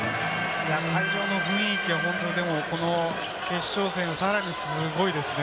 会場の雰囲気は本当に決勝戦、さらにすごいですね。